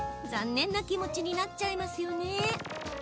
残念な気持ちになっちゃいますよね。